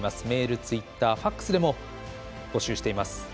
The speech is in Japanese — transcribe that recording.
メール、ツイッター、ＦＡＸでも募集しています。